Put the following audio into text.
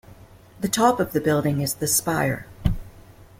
The top of the building is the spire.